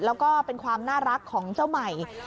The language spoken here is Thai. แล้วก็เป็นความน่ารักของเจ้าใหม่